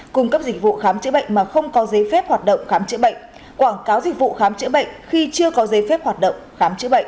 cung cấp dịch vụ khám chữa bệnh mà không có giấy phép hoạt động khám chữa bệnh